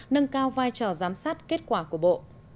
nâng cao vai trò giám sát kết quả của bộ